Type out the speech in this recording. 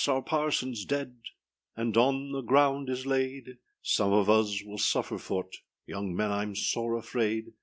our parsonâs dead, And on the ground is laid; Some of us will suffer forât, Young men, Iâm sore afraid.